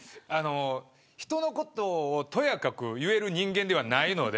人のことをとやかく言える人間ではないので。